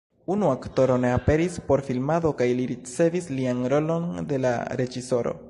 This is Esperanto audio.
Unu aktoro ne aperis por filmado kaj li ricevis lian rolon de la reĝisoro.